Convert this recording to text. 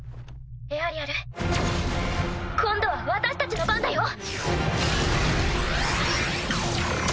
エアリアル今度は私たちの番だよ。